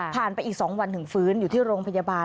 ไปอีก๒วันถึงฟื้นอยู่ที่โรงพยาบาล